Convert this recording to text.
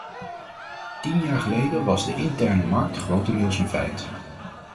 Tien jaar geleden was de interne markt grotendeels een feit.